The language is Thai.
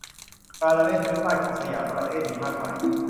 การละเล่นพื้นบ้านของสยามประเทศ มีมากมาย